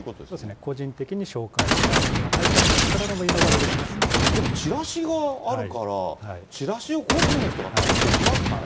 個人的に紹介したんではないかとか、いくらでも言い逃れはででも、チラシがあるから、チラシを個人の人が作っていきますかね。